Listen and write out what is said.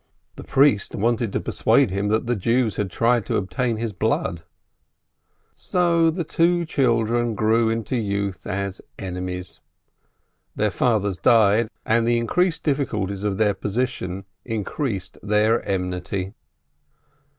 The priest wanted to persuade him that the Jews had tried to obtain his blood. So the two children grew into youth as enemies. Their fathers died, and the increased difficulties of their position increased their enmity.